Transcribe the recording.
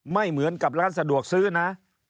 ไม่เหมือนกับร้านสะดวกซื้อนะ